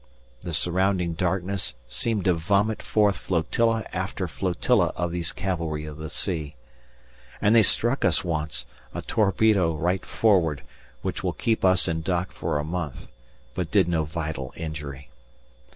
The surrounding darkness seemed to vomit forth flotilla after flotilla of these cavalry of the sea. And they struck us once, a torpedo right forward, which will keep us in dock for a month, but did no vital injury.